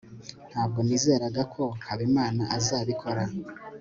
ntabwo nizeraga ko habimana azabikora